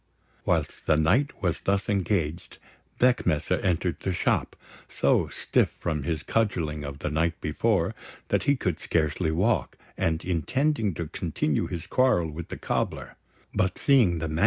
Whilst the knight was thus engaged, Beckmesser entered the shop, so stiff from his cudgelling of the night before that he could scarcely walk, and, intending to continue his quarrel with the cobbler; but, seeing the MS.